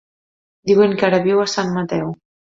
Diuen que ara viu a Sant Mateu.